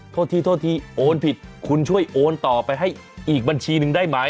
โทษทีโทษทีโอนผิดคุณช่วยโอนต่อไปให้อีกบัญชีหนึ่งได้ไหม